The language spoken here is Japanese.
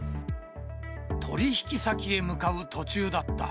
取り引き先へ向かう途中だった。